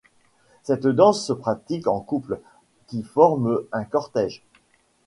Cette danse se pratique en couple, qui forment un cortège.